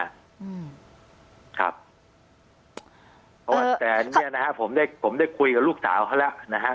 อืมครับเพราะว่าแต่เนี้ยนะฮะผมได้ผมได้คุยกับลูกสาวเขาแล้วนะฮะ